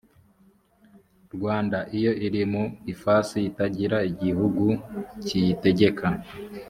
rwanda iyo iri mu ifasi itagira igihugu kiyitegeka